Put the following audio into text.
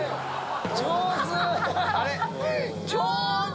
上手！